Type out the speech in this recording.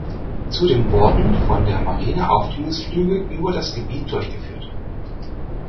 Zudem wurden von der Marine Aufklärungsflüge über das Gebiet durchgeführt.